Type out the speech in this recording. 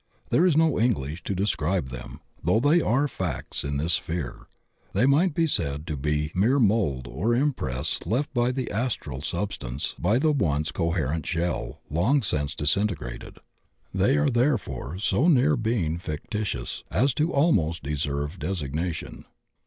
There is no English to describe them, diough tfiey are facts in this sphere. They might be said to be the mere mould or impress left in the astral substance by the once coherent shell long since disin tegrated. They are therefore so near being fictitious as to almost deserve the designation.